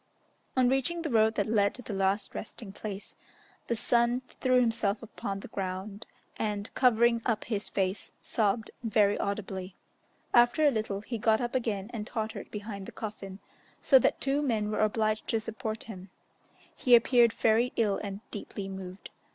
On reaching the road that led to the last resting place, the son threw himself upon the ground, and, covering up his face, sobbed very audibly. After a little, he got up again and tottered behind the coffin, so that two men were obliged to support him; he appeared very ill and deeply moved.